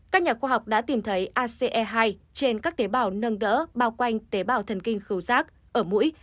các nhà khoa học đã tìm thấy ace hai trên các tế bào nâng đỡ bao quanh tế bào thần kinh giác ở mũi